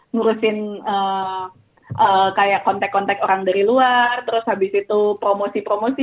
ngurusin kayak kontak kontak orang dari luar terus habis itu promosi promosi